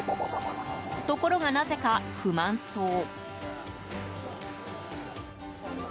ところが、なぜか不満そう。